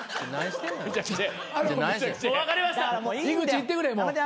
井口いってくれ。